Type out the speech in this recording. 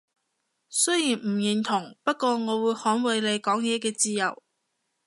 雖然唔認同，不過我會捍衛你講嘢嘅自由